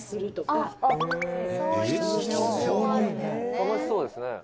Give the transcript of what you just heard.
「楽しそうですね」